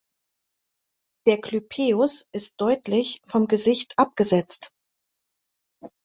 Der Clypeus ist deutlich vom Gesicht abgesetzt.